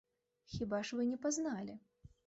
Хіба ж вы не пазналі?